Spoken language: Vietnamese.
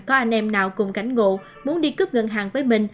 có anh em nào cùng cảnh ngộ muốn đi cướp ngân hàng với mình